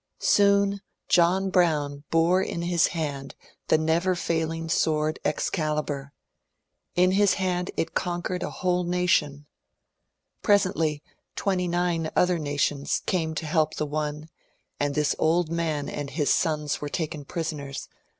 Soon John Brown bore in his hand the never fail« ing sword Excalibur ! In his hand it conquered a whole iia^ tion. Presently twenty nine other nations came to help the one, and this old man and his sons were taken prisoners.